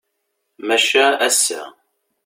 Maca ass-a.